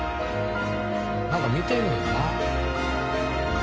なんか見てんねんな。